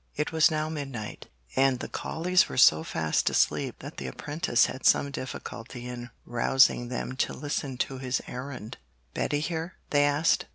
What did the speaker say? It was now midnight, and the Colleys were so fast asleep that the apprentice had some difficulty in rousing them to listen to his errand. 'Betty here?' they asked.